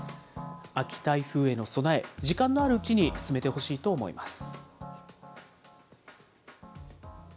秋台風への備え、時間のあるうちに進めてほしいと思います。